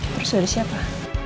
terus dari siapa